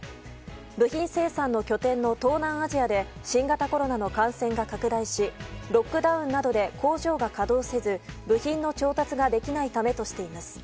部品生産の拠点の東南アジアで新型コロナの感染が拡大しロックダウンなどで工場が稼働せず部品の調達ができないためとしています。